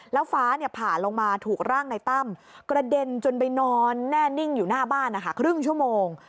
แล้วฟ้าผ่าลงมาถูกร่างในตั้มกระเด็นจนไปนอนแน่นิ่งอยู่หน้าบ้านครึ่งชั่วโมง